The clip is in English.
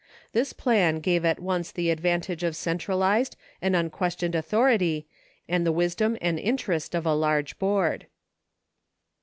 This plan gave at once the advantages of centralized and unquestioned authority and the wisdom and interest of a large board.